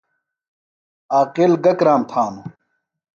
عاقل گہ کرام تھانوۡ ؟